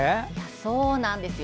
そうなんですよ。